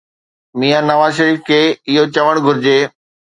ميان نواز شريف کي اهو چوڻ گهرجي.